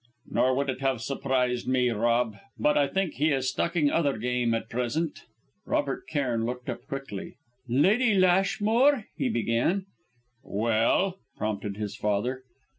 "Nor would it have surprised me, Rob, but I think he is stalking other game at present." Robert Cairn looked up quickly. "Lady Lashmore," he began "Well?" prompted his father.